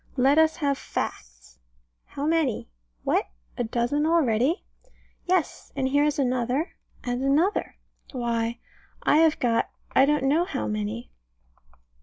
Let us have facts. How many? What! a dozen already? Yes and here is another, and another. Why, I have got I don't know how many.